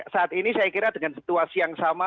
saat ini saya kira dengan situasi yang sama